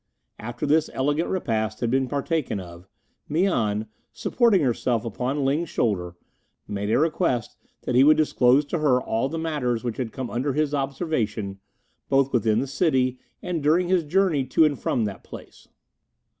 After this elegant repast had been partaken of, Mian, supporting herself upon Ling's shoulder, made a request that he would disclose to her all the matters which had come under his observation both within the city and during his journey to and from that place.